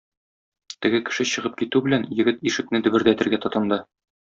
Теге кеше чыгып китү белән егет ишекне дөбердәтергә тотынды.